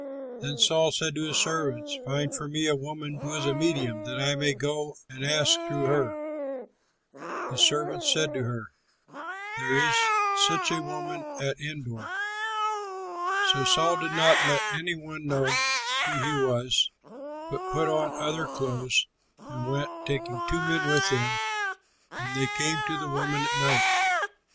Then Saul said to his servants, "Find for me a woman who is a medium, that I may go and ask through her." His servants said to him, "There is such a woman at Endor." So Saul did not let any one know who he was, but put on other clothes and went, taking two men with him. And they came to the woman at night.